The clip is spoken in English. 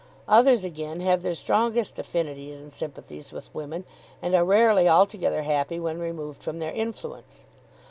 Others again have their strongest affinities and sympathies with women, and are rarely altogether happy when removed from their influence.